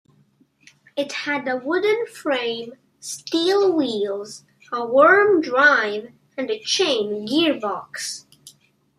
It had a wooden frame, steel wheels, a worm drive and chain gearbox.